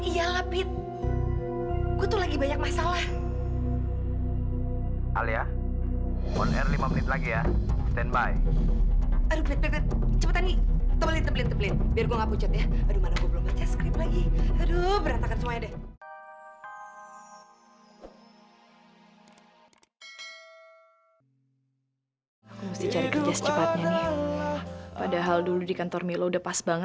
sampai jumpa di video selanjutnya